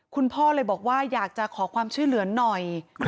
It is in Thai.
คุณพ่อเลยบอกว่าอยากจะขอความช่วยเหลือหน่อย